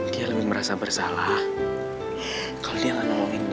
dia lebih merasa bersalah kalau dia lelah nolongin lo